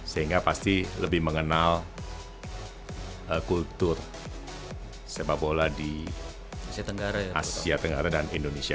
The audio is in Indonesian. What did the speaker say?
sehingga pasti lebih mengenal kultur sepak bola di asia tenggara dan indonesia